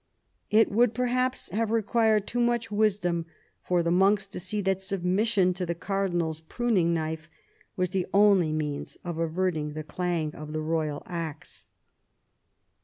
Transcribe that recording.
It would perhaps have required too niuch wisdom for the monks to see that submission to the cardinal's pruning knife was the only means of averting the clang of the royal axe.